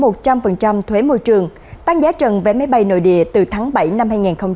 vn airlines vừa có kiến nghị giảm một trăm linh thuế môi trường tăng giá trần về máy bay nội địa từ tháng bảy năm hai nghìn hai mươi hai